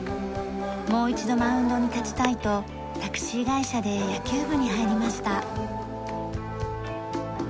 もう一度マウンドに立ちたいとタクシー会社で野球部に入りました。